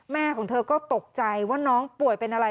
ของเธอก็ตกใจว่าน้องป่วยเป็นอะไร